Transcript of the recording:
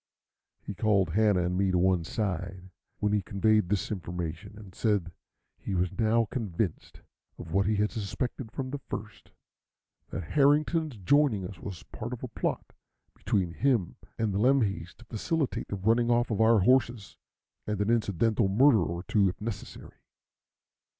He called Hanna and me to one side, when he conveyed this information, and said he was now convinced of what he had suspected from the first, that Harrington's joining us was part of a plot between him and the Lemhis to facilitate the running off of our horses, and an incidental murder or two, if necessary.